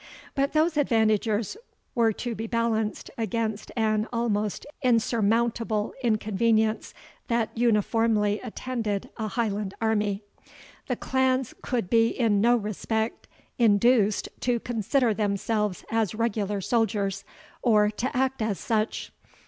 But those advantages were to be balanced against an almost insurmountable inconvenience that uniformly attended a Highland army. The clans could be in no respect induced to consider themselves as regular soldiers, or to act as such.